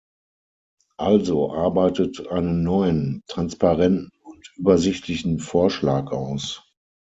Also arbeitet einen neuen, transparenten und übersichtlichen Vorschlag aus.